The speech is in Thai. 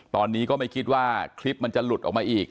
ตอนนี้ก็ไม่คิดว่าคลิปมันจะหลุดออกมาอีก